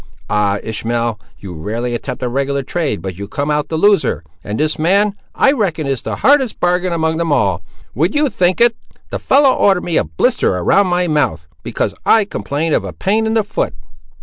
Ah! Ishmael, you rarely attempt a regular trade but you come out the loser; and this man, I reckon, is the hardest bargain among them all! Would you think it, the fellow ordered me a blister around my mouth, because I complained of a pain in the foot?"